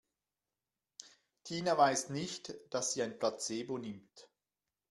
Tina weiß nicht, dass sie ein Placebo nimmt.